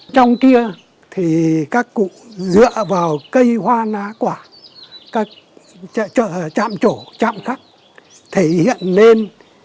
trong kia thì các cụ dựa vào cây hoa ná quả trạm chỗ trạm khắc thể hiện lên